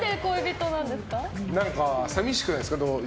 何か、寂しくないですか。